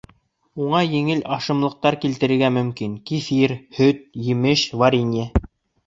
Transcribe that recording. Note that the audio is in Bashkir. Уға еңел ашамлыҡтар килтерергә мөмкин: кефир, һөт, емеш, варенье.